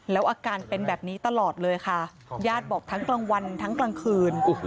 แล้วอาการเป็นแบบนี้ตลอดเลยค่ะญาติบอกทั้งกลางวันทั้งกลางคืน